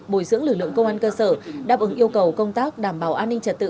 bồi dưỡng lực lượng công an cơ sở đáp ứng yêu cầu công tác đảm bảo an ninh trật tự